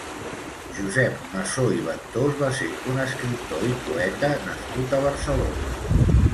Josep Massó i Ventós va ser un escriptor i poeta nascut a Barcelona.